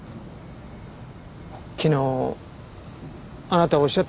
昨日あなたおっしゃってましたね。